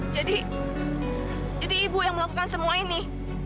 jadi jadi ibu yang melakukan semua ini